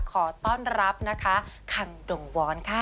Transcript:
ขอต้อนรับนะคะคันดงวอนค่ะ